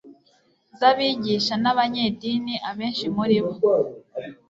zabigisha b'abanyedini, abenshi muri bo